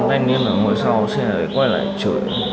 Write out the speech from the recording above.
thành niên ở ngôi sao xe đấy quay lại chửi